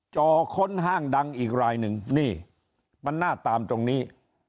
จอค้นห้างดังอีกรายหนึ่งนี่มันน่าตามตรงนี้